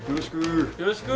よろしく。